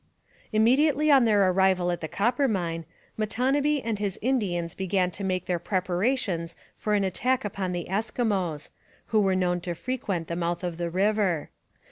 Immediately on their arrival at the Coppermine, Matonabbee and his Indians began to make their preparations for an attack upon the Eskimos, who were known to frequent the mouth of the river.